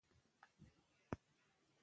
دا د لویو خلکو کار دی.